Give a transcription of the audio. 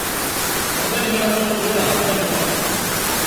Horrez gain, hemen lagunarteko kirola da, familiartekoa.